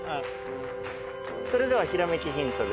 それではひらめきヒントです。